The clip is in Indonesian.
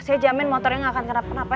saya jamin motornya nggak akan kenapa